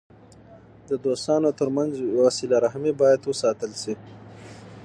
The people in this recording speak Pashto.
د دوستانو ترمنځ وسیله رحمي باید وساتل سي.